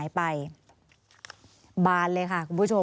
มีความรู้สึกว่ามีความรู้สึกว่า